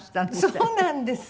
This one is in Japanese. そうなんです。